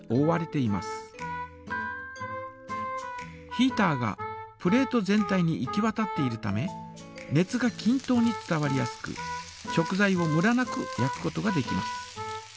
ヒータがプレート全体に行きわたっているため熱がきん等に伝わりやすく食材をムラなく焼くことができます。